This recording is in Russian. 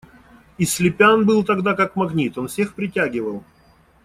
И Слепян был тогда как магнит: он всех притягивал.